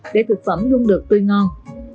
để thực phẩm luôn được tuyên ngon